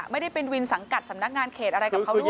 ไม่ได้เป็นวินสังกัดสำนักงานเขตอะไรกับเขาด้วย